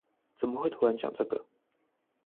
怎麼會突然講這個